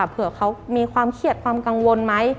เผื่อเขามีความเครียดความกังวลไหม